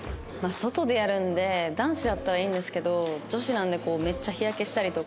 外でやるので男子だったらいいんですけど女子なのでこうめっちゃ日焼けしたりとか。